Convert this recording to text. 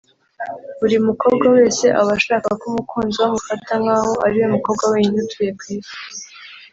buri mukobwa wese aba ashaka ko umukunzi we amufata nkaho ariwe mukobwa wenyine utuye ku isi